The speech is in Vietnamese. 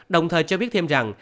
đồng thời cho biết thêm rằng